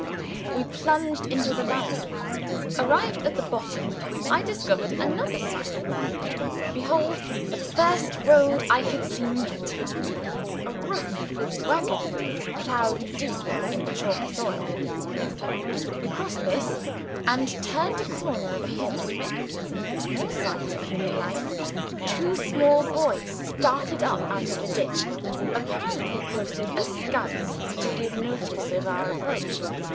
We plunged into the valley. Arrived at the bottom, I discovered another sign of Man. Behold the first road I had seen yet a rough wagon road ploughed deep in the chalky soil! We crossed this, and turned a corner of a hill. More signs of human life. Two small boys started up out of a ditch apparently posted as scouts to give notice of our approach.